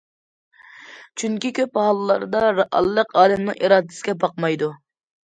چۈنكى كۆپ ھاللاردا رېئاللىق ئادەمنىڭ ئىرادىسىگە باقمايدۇ.